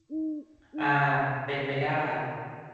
อา เป็นไปได้